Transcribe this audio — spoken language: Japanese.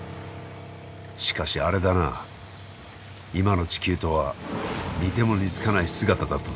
しかしあれだな今の地球とは似ても似つかない姿だったぞ。